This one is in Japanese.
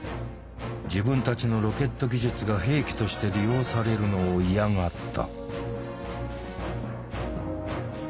自分たちのロケット技術が兵器として利用されるのを嫌がった。